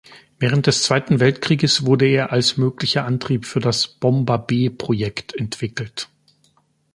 Während des Zweiten Weltkrieges wurde er als möglicher Antrieb für das ""Bomber B"-Projekt" entwickelt.